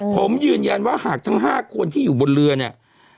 ผมยืนยันว่าหากทั้ง๕คนที่อยู่บนเรือเนี่ย